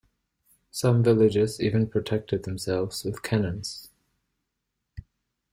Some villages even protected themselves with cannons.